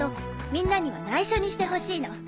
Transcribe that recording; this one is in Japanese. みんなには内緒にしてほしいの。